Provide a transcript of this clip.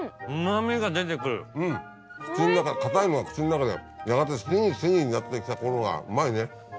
硬いのが口の中でやがてシギシギになってきたころがうまいね。